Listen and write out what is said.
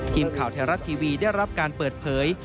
ทีมข่าวไทยรัฐทีวีได้รับการเปิดเผย